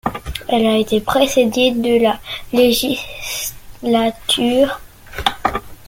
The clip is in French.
Elle a été précédée de la I législature.